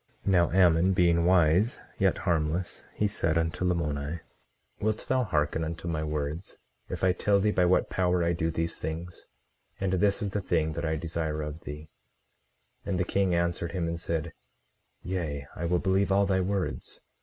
18:22 Now Ammon being wise, yet harmless, he said unto Lamoni: Wilt thou hearken unto my words, if I tell thee by what power I do these things? And this is the thing that I desire of thee. 18:23 And the king answered him, and said: Yea, I will believe all thy words.